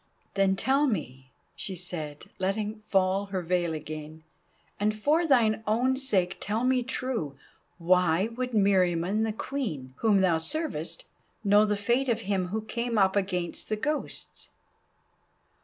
"Then tell me," she said, letting fall her veil again, "and for thine own sake tell me true, why would Meriamun the Queen, whom thou servest, know the fate of him who came up against the Ghosts?"